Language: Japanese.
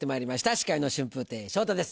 司会の春風亭昇太です